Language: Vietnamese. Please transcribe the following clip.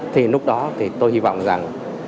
thì lúc đó thì tôi hy vọng rằng